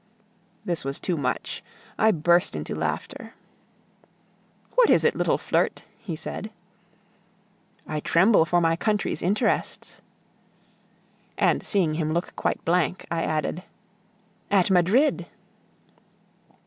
This was too much. I burst into laughter. "What is it, little flirt?" he said. "I tremble for my country's interests..." And seeing him look quite blank, I added: "At Madrid!"